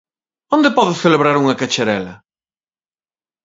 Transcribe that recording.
Onde podo celebrar unha cacharela?